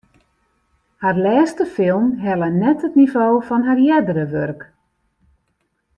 Har lêste film helle net it nivo fan har eardere wurk.